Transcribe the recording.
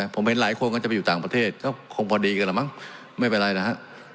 ผมเห็นหลายคนก็จะไปอยู่ต่างประเทศก็คงพอดีกันแล้วมั้งไม่เป็นไรนะฮะ